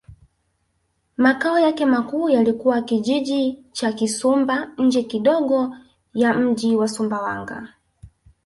Makao yake makuu yalikuwa Kijiji cha Kisumba nje kidogo ya mji wa Sumbawanga